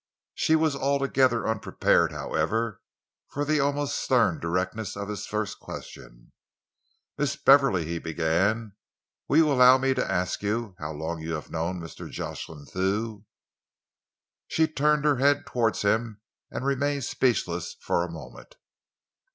She was altogether unprepared, however, for the almost stern directness of his first question. "Miss Beverley," he began, "will you allow me to ask you how long you have known Mr. Jocelyn Thew?" She turned her head towards him and remained speechless for a moment.